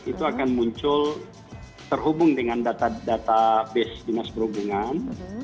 itu akan muncul terhubung dengan data database dinas perhubungan